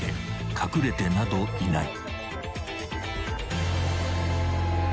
［隠れてなどいない］